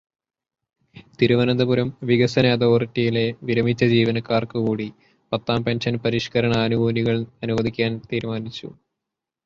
തിരുവനന്തപുരം വികസന അതോറിറ്റിയിലെ വിരമിച്ച ജീവനക്കാര്ക്കു കൂടി പത്താം പെന്ഷന് പരിഷ്കരണാനുകൂല്യങ്ങള് അനുവദിക്കാന് തീരുമാനിച്ചു.